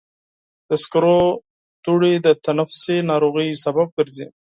د سکرو دوړې د تنفسي ناروغیو سبب ګرځي.